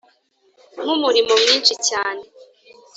nkumurimo mwinshi cyane